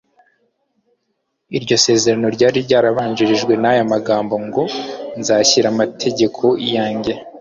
Iryo sezerano ryari ryarabanjirijwe n'aya magambo ngo :« Nzashyira amategeko yanjye